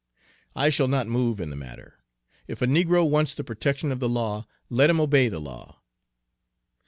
I shall not move in the matter. If a negro wants the protection of the law, let him obey the law.'